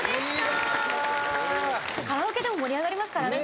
カラオケでも盛り上がりますからね。